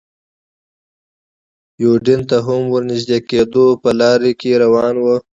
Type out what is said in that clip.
یوډین ته هم ور نږدې کېدو، په لاره کې روان و.